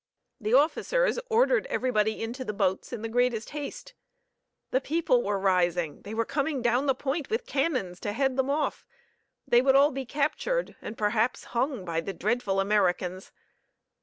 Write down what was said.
The officers ordered everybody into the boats in the greatest haste. The people were rising! They were coming down the Point with cannons, to head them off! They would all be captured, and perhaps hung by the dreadful Americans!